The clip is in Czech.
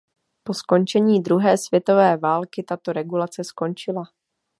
Po skončení druhé světové války tato regulace skončila.